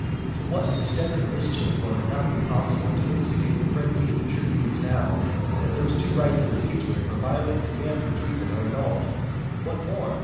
To what extent of mischief will it not be possible to instigate the frenzy of the tribunes now that these two rights of impeachment for violence and for treason are annulled? What more?